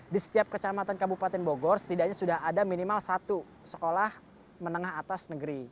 di setiap kecamatan kabupaten bogor setidaknya sudah ada minimal satu sekolah menengah atas negeri